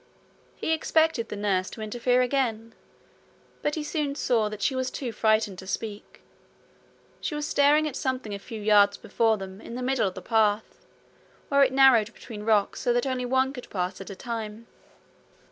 He expected the nurse to interfere again; but he soon saw that she was too frightened to speak. She was staring at something a few yards before them in the middle of the path, where it narrowed between rocks so that only one could pass at a time.